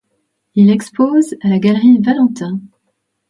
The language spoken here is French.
Il expose à la Galerie Valentin.